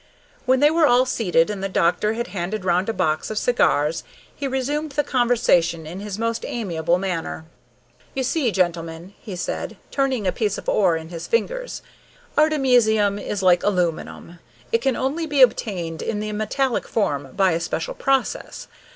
When they were all seated, and the doctor had handed round a box of cigars, he resumed the conversation in his most amiable manner. "You see, gentlemen," he said, turning a piece of ore in his fingers, "artemisium is like aluminum. It can only be obtained in the metallic form by a special process.